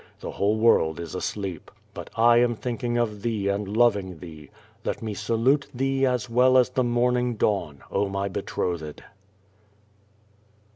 The whole world is asleep. But 1 am thinking of thee and loving thee. Ixit me salute thee as well as the morn ing dawn, oh my betrothed!